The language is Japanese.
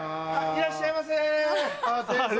いらっしゃいませ。